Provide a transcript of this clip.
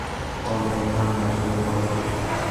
অনেক ধান্দার সুযোগ পাবো!